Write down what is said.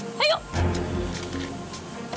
nggak boleh sekali lagi